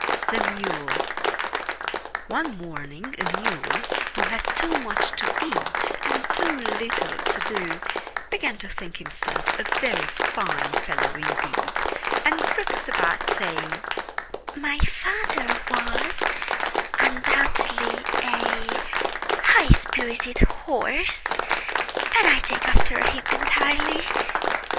THE MULE One morning a Mule, who had too much to eat and too little to do, began to think himself a very fine fellow indeed, and frisked about saying, "My father was undoubtedly a high spirited horse and I take after him entirely."